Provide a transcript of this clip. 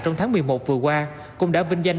trong tháng một mươi một vừa qua cũng đã vinh danh